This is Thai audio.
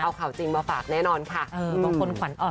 เอาข่าวจริงมาฝากแน่นอนค่ะบางคนขวัญอ่อน